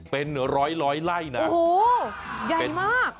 เป็นร้อยไล่นะโอ้โหใหญ่มาก